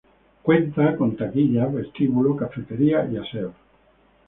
Cuenta con taquillas, vestíbulo, cafetería y aseos.